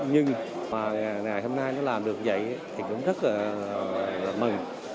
nhưng mà ngày hôm nay nó làm được dạy thì cũng rất là mừng